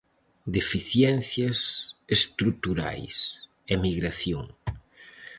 Deficiencias estruturais, emigración...